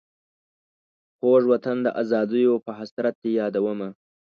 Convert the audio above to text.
خوږ وطن د آزادیو په حسرت دي یادومه.